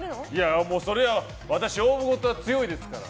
それはもう、私勝負事は強いですから。